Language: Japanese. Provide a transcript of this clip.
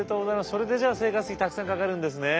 それでじゃあ生活費たくさんかかるんですね。